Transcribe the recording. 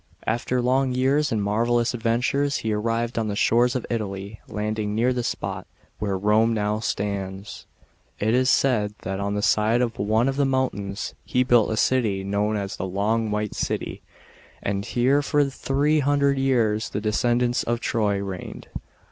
After long years and marvellous adventures, he arrived on the shores of Italy, landing near the spot, where Rome now stands. It is said, that on the side of one of the mountains, he built a city, known as the Long White city ; and here for three hundred years the descendants jf Troy reigned.